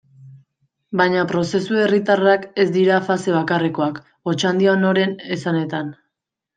Baina prozesu herritarrak ez dira fase bakarrekoak, Otxandianoren esanetan.